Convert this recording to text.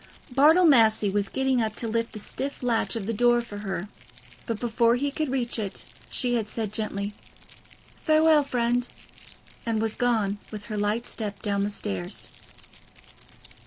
Bartle Massey was getting up to lift the stiff latch of the door for her, but before he could reach it, she had said gently, "Farewell, friend," and was gone, with her light step down the stairs.